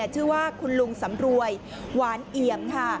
ชื่อว่าคุณลุงสำรวยหวานเอี่ยมค่ะ